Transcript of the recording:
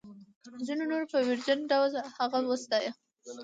ځینو نورو په ویرجن ډول هغه وستایه.